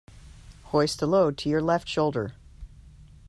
Hoist the load to your left shoulder.